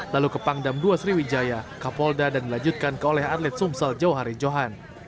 lalu ke pangdam ii sriwijaya kapolda dan dilanjutkan ke oleh atlet sumsel jauhari johan